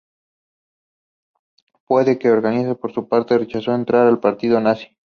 Puede que orientado por su padre, rechazó entrar en el Partido Nazi.